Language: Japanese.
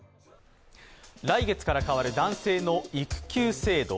来月から変わる男性の育休制度。